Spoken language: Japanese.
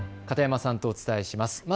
片山さんとお伝えします。